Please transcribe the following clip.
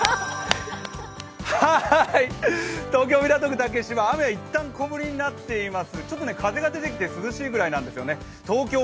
東京・港区竹芝雨はいったん小降りになっています。